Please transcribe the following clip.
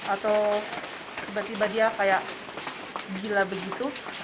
atau tiba tiba dia kayak gila begitu